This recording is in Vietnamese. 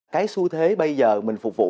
cái xu thế bây giờ mình phục vụ